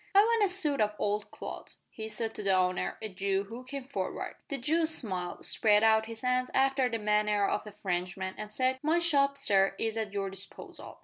"I want a suit of old clothes," he said to the owner, a Jew, who came forward. The Jew smiled, spread out his hands after the manner of a Frenchman, and said, "My shop, sir, is at your disposal."